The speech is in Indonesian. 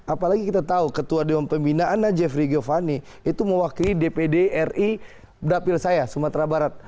apalagi kita tahu ketua dewan pembinaan najaf rigiowani mewakili dpr ri dapil saya sumatera barat